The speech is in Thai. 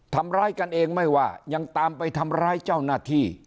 ทำร้ายกันเองไม่ว่ายังตามไปทำร้ายเจ้าหน้าที่